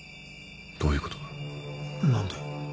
どういうことだ？